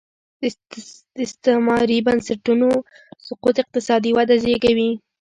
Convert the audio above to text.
د استعماري بنسټونو سقوط اقتصادي وده وزېږوي.